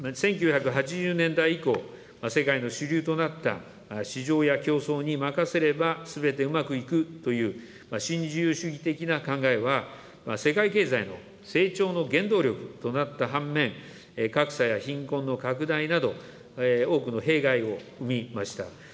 １９８０年代以降、世界の主流となった市場や競争に任せればすべてうまくいくという、新自由主義的な考えは、世界経済の成長の原動力となった反面、格差や貧困の拡大など、多くの弊害を生みました。